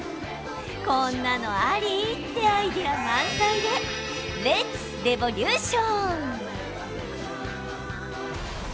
こんなのあり？ってアイデア満載でレッツ、レボリューション！